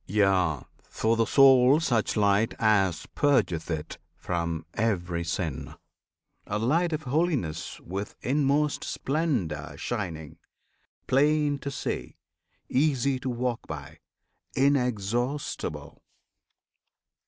Yea! for the soul such light as purgeth it From every sin; a light of holiness With inmost splendour shining; plain to see; Easy to walk by, inexhaustible!